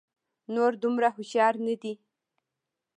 نور دومره هوښيار نه دي